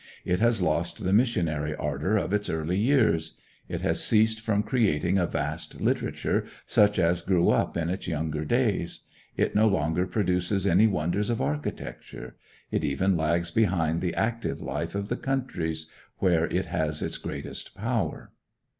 It has lost the missionary ardor of its early years; it has ceased from creating a vast literature such as grew up in its younger days; it no longer produces any wonders of architecture. It even lags behind the active life of the countries where it has its greatest power.